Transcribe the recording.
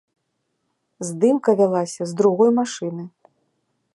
Здымка вялася з другой машыны.